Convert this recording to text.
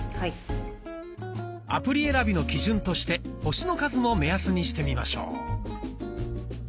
アプリ選びの基準として「星の数」も目安にしてみましょう。